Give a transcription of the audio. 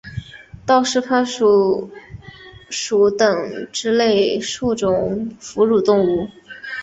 道氏攀鼠属等之数种哺乳动物。